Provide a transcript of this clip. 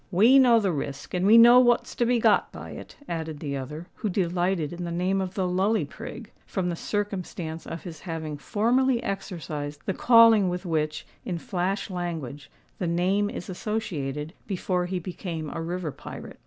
"We know the risk, and we know what's to be got by it," added the other, who delighted in the name of the Lully Prig, from the circumstance of his having formerly exercised the calling with which, in flash language, the name is associated, before he became a river pirate.